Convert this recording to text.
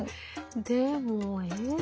でもえっ？